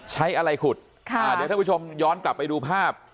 ใช้อะไรขุดค่ะเดี๋ยวท่านผู้ชมย้อนกลับไปดูภาพ